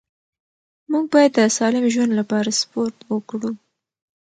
موږ باید د سالم ژوند لپاره سپورت وکړو